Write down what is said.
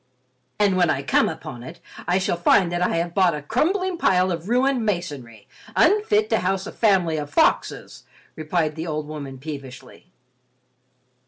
"And when I come upon it, I shall find that I have bought a crumbling pile of ruined masonry, unfit to house a family of foxes," replied the old woman peevishly.